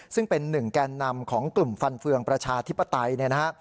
ซึ่งเป็นหนึ่งแกนนำของกลุ่มฟันเฟืองประชาธิปไตยเนี่ยนะฮะ